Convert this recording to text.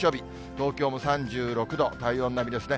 東京も３６度、体温並みですね。